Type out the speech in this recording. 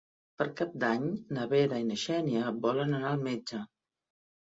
Per Cap d'Any na Vera i na Xènia volen anar al metge.